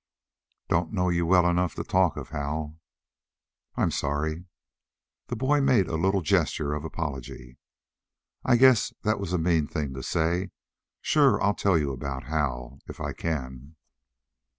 "Don't know you well enough to talk of Hal." "I'm sorry." The boy made a little gesture of apology. "I guess that was a mean thing to say. Sure I'll tell you about Hal if I can."